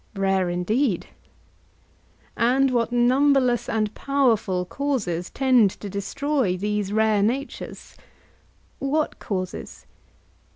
Rare indeed. And what numberless and powerful causes tend to destroy these rare natures! What causes?